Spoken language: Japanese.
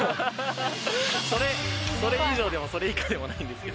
それ以上でも、それ以下でもないんですけど。